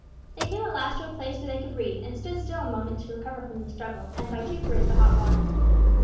They came at last to a place where they could breathe, and stood still a moment to recover from the struggle, and vituperate the hot water.